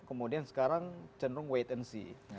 kemudian sekarang cenderung wait and see